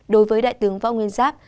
đối với đại tướng võ nguyên giáp